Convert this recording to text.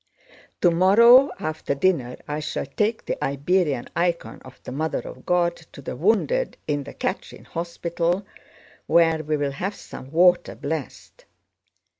Tomorrow after dinner I shall take the Iberian icon of the Mother of God to the wounded in the Catherine Hospital where we will have some water blessed.